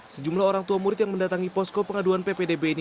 sejumlah orang tua murid yang mendatangi posko pengaduan ppdb ini